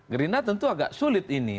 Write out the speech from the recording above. gerindra tentu agak sulit ini